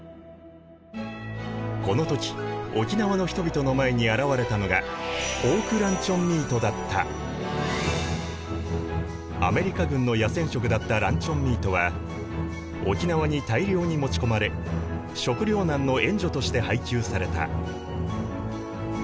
この時沖縄の人々の前に現れたのがアメリカ軍の野戦食だったランチョンミートは沖縄に大量に持ち込まれ食糧難の援助として配給された。